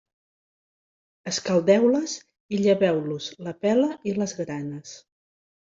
Escaldeu-les i lleveu-los la pela i les granes.